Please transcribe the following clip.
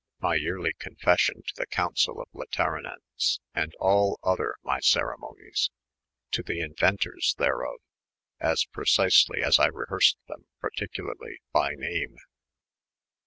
My yearely Confession, to the cooncell of Laterenence :& al otier my Ceremonies, to the Liuenters therof, aa precisely afi I rehereed them particulerly by name.